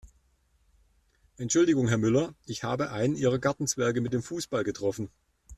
Entschuldigung Herr Müller, ich habe einen Ihrer Gartenzwerge mit dem Fußball getroffen.